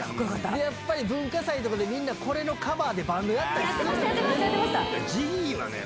やっぱり文化祭とかで、みんなこれのカバーでバンドやったりしたんですよね。